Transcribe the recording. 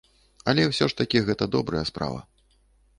Але ўсё ж такі гэта добрая справа.